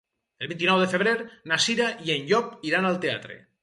El vint-i-nou de febrer na Cira i en Llop iran al teatre.